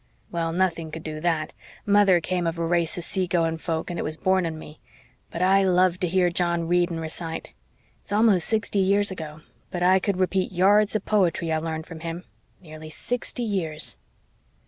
Well, nothing could do THAT mother come of a race of sea going folk and it was born in me. But I loved to hear John read and recite. It's almost sixty years ago, but I could repeat yards of poetry I learned from him. Nearly sixty years!"